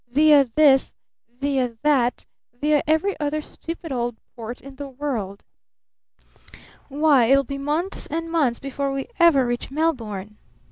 via this, via that, via every other stupid old port in the world! Why, it will be months and months before we ever reach Melbourne!